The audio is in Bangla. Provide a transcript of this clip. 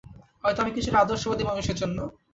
হয়ত আমি কিছুটা আদর্শবাদী মানুষ এজন্য।